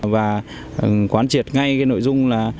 và quán triệt ngay cái nội dung là